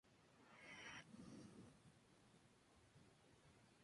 Se dedicó al ejerció libre de su profesión.